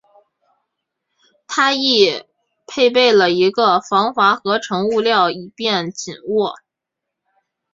它亦配备了一个防滑合成物料以便紧握。